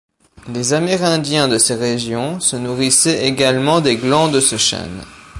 Les Amérindiens de ces régions se nourrissaient également des glands de ce chêne.